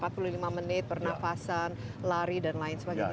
training tiap hari empat puluh lima menit bernafasan lari dan lain sebagainya